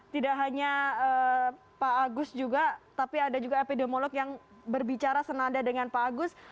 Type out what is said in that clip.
tidak hanya pak agus juga tapi ada juga epidemiolog yang berbicara senada dengan pak agus